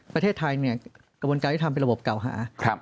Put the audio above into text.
ประเทศไทยกระบวนการอิทธิ์ทำเป็นระบบเก่าหา